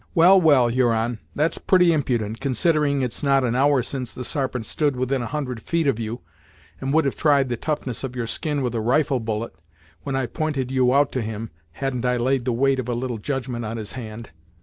"Well, well, Huron, that's pretty impudent, considering it's not an hour since the Sarpent stood within a hundred feet of you, and would have tried the toughness of your skin with a rifle bullet, when I pointed you out to him, hadn't I laid the weight of a little judgment on his hand.